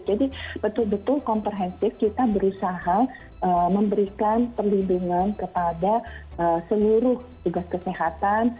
jadi betul betul komprehensif kita berusaha memberikan perlindungan kepada seluruh tugas kesehatan